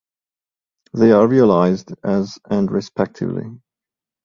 They are realised as and respectively.